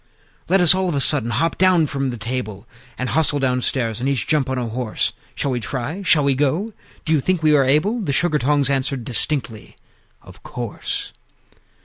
Let us all of a sudden hop down from the table, And hustle downstairs, and each jump on a horse! Shall we try? Shall we go? Do you think we are able?" The Sugar tongs answered distinctly, "Of course!"